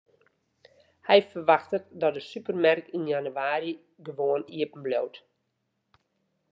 Hy ferwachtet dat de supermerk yn jannewaarje gewoan iepenbliuwt.